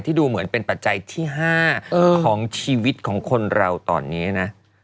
ดูเหมือนเป็นปัจจัยที่๕ของชีวิตของคนเราตอนนี้นะ